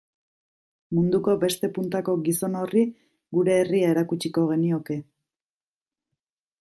Munduko beste puntako gizon horri gure herria erakutsiko genioke.